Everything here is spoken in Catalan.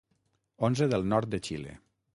Onze del nord de Xile.